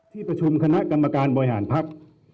ที่ประชุมคณะกรรมการบริหารภักดิ์